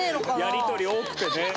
やり取り多くてね。